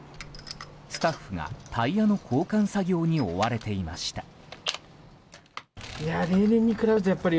スタッフがタイヤの交換作業に追われていました。